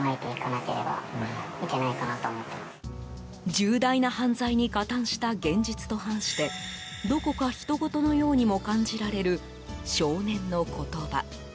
重大な犯罪に加担した現実と反してどこかひとごとのようにも感じられる、少年の言葉。